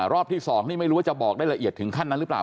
รอบที่๒นี่ไม่รู้ว่าจะบอกได้ละเอียดถึงขั้นนั้นหรือเปล่า